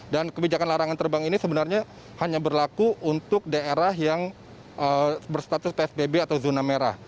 dan kebijakan larangan terbang ini sebenarnya hanya berlaku untuk daerah yang berstatus psbb atau zona merah